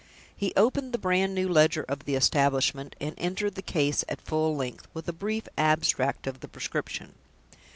He opened the brand new ledger of the establishment, and entered the Case at full length, with a brief abstract of the prescription.